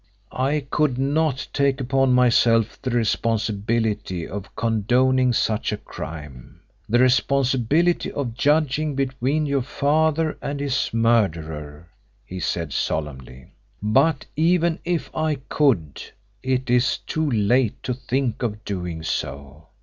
"I could not take upon myself the responsibility of condoning such a crime the responsibility of judging between your father and his murderer," he said solemnly. "But even if I could it is too late to think of doing so.